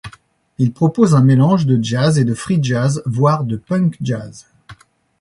Il propose un mélange de jazz et de free jazz, voire de punk jazz.